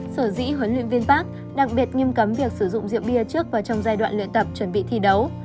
sở dĩ huấn luyện viên park đặc biệt nghiêm cấm việc sử dụng rượu bia trước và trong giai đoạn luyện tập chuẩn bị thi đấu